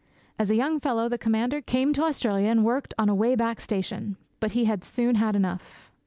As a young fellow the Commander came to Australia and worked on a way back station, but he had soon had enough.